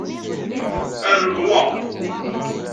Arem wa.